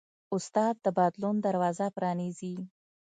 استاد د بدلون دروازه پرانیزي.